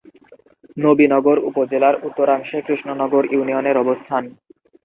নবীনগর উপজেলার উত্তরাংশে কৃষ্ণনগর ইউনিয়নের অবস্থান।